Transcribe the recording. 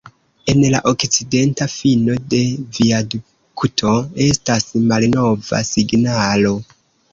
En la okcidenta fino de viadukto estas malnova signalo.